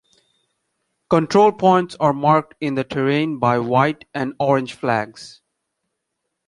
Control points are marked in the terrain by white and orange "flags".